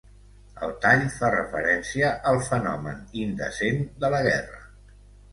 El tall fa referència al fenomen indecent de la guerra.